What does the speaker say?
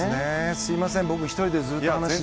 すみません、僕１人でずっと。